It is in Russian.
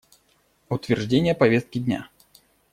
Утверждение повестки дня.